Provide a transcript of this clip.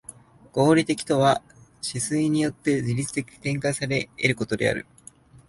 合理的とは思惟によって自律的に展開され得ることである。